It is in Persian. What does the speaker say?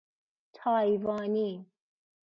تایوانی